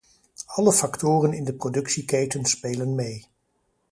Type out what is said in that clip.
Alle factoren in de productieketen spelen mee.